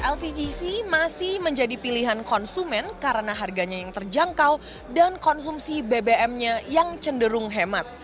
lcgc masih menjadi pilihan konsumen karena harganya yang terjangkau dan konsumsi bbm nya yang cenderung hemat